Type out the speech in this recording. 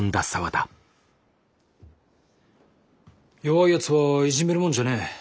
弱いやつはいじめるもんじゃねえ。